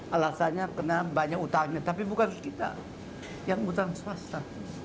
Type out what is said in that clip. alasannya karena banyak utangnya tapi bukan kita yang utang swasta